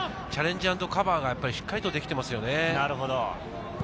チャレンジアンドカバーがしっかりとできていますよね。